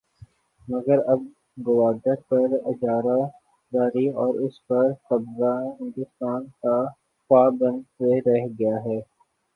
مگر اب گوادر پر اجارہ داری اور اس پر قبضہ ہندوستان کا خواب بن کے رہ گیا۔